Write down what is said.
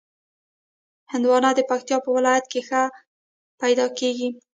هندوانه د پکتیا په ولایت کې ښه پیدا کېږي.